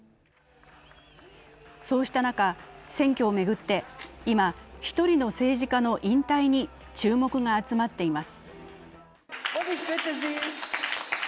そうした中、選挙を巡って今、１人の政治家の引退に注目が集まっています。